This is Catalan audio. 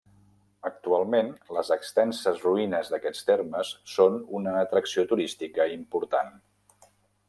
Actualment, les extenses ruïnes d'aquestes termes són una atracció turística important.